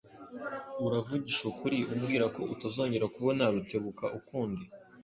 Uravugisha ukuri umbwira ko utazongera kubona Rutebuka ukundi?